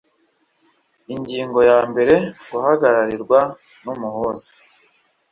Ingingo yambere Guhagararirwa n umuhuza